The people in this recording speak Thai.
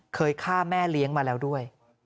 เคยฆ่าแม่เลี้ยงมาแล้วด้วย